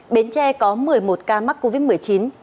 bến tre có một mươi một ca mắc covid một mươi chín